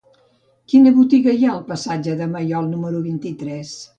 Quina botiga hi ha al passatge de Maiol número vint-i-tres?